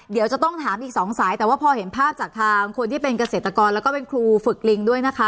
เดี๋ยวจะต้องถามอีกสองสายแต่ว่าพอเห็นภาพจากทางคนที่เป็นเกษตรกรแล้วก็เป็นครูฝึกลิงด้วยนะคะ